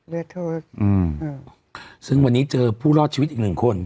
เลือดโทษอืมซึ่งวันนี้เจอผู้รอดชีวิตอีกหนึ่งคน